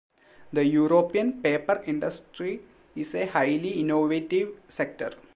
The European paper industry is a highly innovative sector.